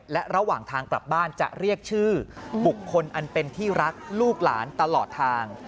และระหว่างทางกลับบ้านจะเรียกชื่อบุคคลอันเป็นที่รักลูกหลานตลอดทาง